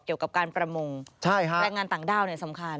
เกี่ยวกับการประมงแรงงานต่างด้าวสำคัญ